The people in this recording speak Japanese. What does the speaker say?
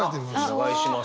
お願いします。